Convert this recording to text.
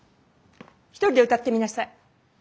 一人で歌ってみなさい。